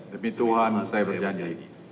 demi tuhan saya berjanji